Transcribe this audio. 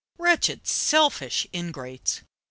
Wretched, selfish ingrates!